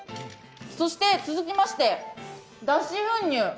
そして続きまして脱脂粉乳。